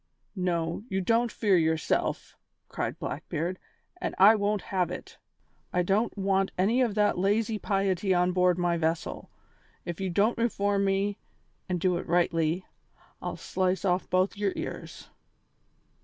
"No, you don't fear yourself," cried Blackbeard, "and I won't have it; I don't want any of that lazy piety on board my vessel. If you don't reform me, and do it rightly, I'll slice off both your ears."